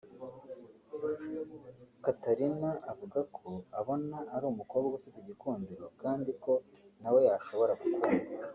Catarina avuga ko abona ari umukobwa ufite igikundiro kandi ko nawe yashobora gukunda